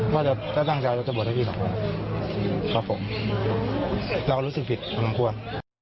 ว่าเดี๋ยวก็ตั้งใจจะจบวนให้พี่กับผมขอบคุณเราก็รู้สึกผิดขอบคุณ